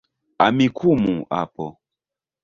Amikumu, apo.